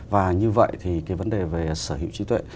và như vậy thì cái vấn đề về sở hữu trí tuệ